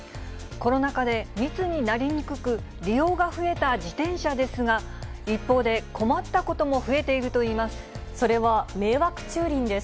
コロナ禍で密になりにくく、利用が増えた自転車ですが、一方で困ったことも増えているといいます。